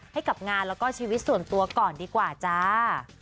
ให้กับงานแล้วก็ชีวิตส่วนตัวก่อนดีกว่าจ้า